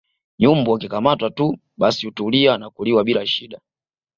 nyumbu akikamatwa tu basi hutulia na kuliwa bila shida